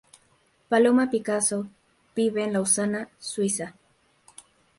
Paloma Picasso vive en Lausana, Suiza.